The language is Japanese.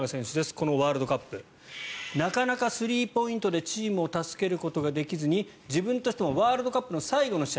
このワールドカップなかなかスリーポイントでチームを助けることができずに自分としてもワールドカップの最後の試合